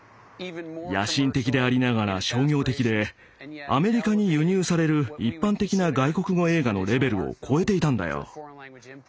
野心的でありながら商業的でアメリカに輸入される一般的な外国語映画のレベルを超えていたんだよ。